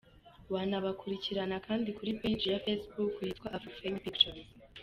Wanabakurikirana kandi kuri page ya Facebook yitwaAfrifame Pictures.